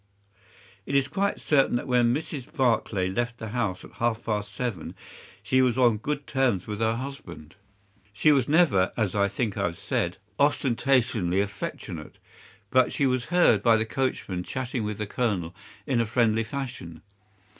"It is quite certain that when Mrs. Barclay left the house at half past seven she was on good terms with her husband. She was never, as I think I have said, ostentatiously affectionate, but she was heard by the coachman chatting with the Colonel in a friendly fashion.